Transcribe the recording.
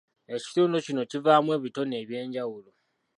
Ekitundu kino kivaamu ebitone ebyenjawulo.